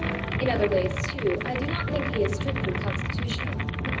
In other ways, too, I do not think he is strictly constitutional.